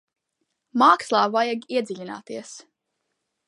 Mākslā vajag iedziļināties.